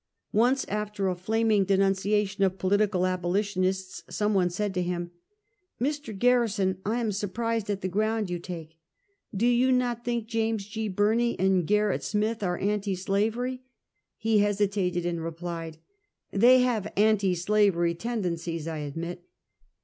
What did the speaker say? Once after a " flaming " denunciation of political abolitionists, some one said to him :" Mr. Garrison, I am surprised at the gTOund you take! Do you not think James G. Birney and Ger rit Smith are anti slavery?" He hesitated, and replied: "They have anti slavery tendencies, I admit."